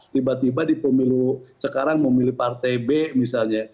tiba tiba di pemilu sekarang memilih partai b misalnya